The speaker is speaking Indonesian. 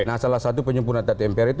nah salah satu penyempurnaan tatib mpr itu